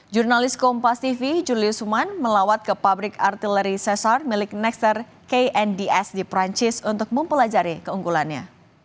jurnalis kompas tv julius human melawat ke pabrik artileri cesar milik nextr knds di perancis untuk mempelajari keunggulannya